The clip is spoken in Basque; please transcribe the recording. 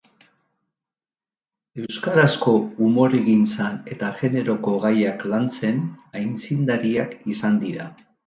Euskarazko umoregintzan eta generoko gaiak lantzen aitzindariak izan dira.